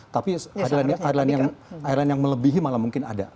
tapi thailand yang melebihi malah mungkin ada